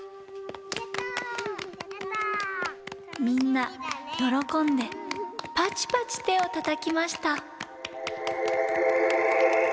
みんなよろこんでパチパチてをたたきました。